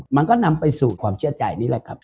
มันก็นำไปสู่ความเชื่อใจนี่แหละครับ